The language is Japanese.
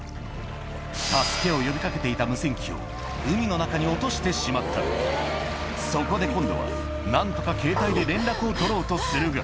助けを呼び掛けていた無線機を海の中に落としてしまったそこで今度は何とかケータイで連絡を取ろうとするが